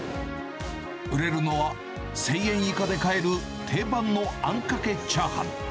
売れるのは、１０００円以下で買える定番のあんかけチャーハン。